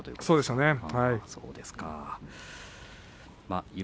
そうですね。